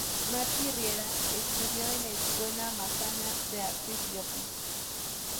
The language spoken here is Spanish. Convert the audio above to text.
Martí Riera estudió en la Escuela Massana de Artes y Oficios.